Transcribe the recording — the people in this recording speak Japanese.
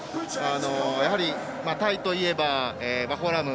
やはり、タイといえばワホラーム。